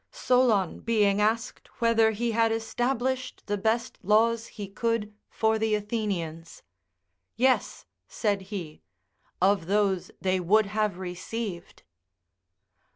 Solon being asked whether he had established the best laws he could for the Athenians; "Yes," said he, "of those they would have received."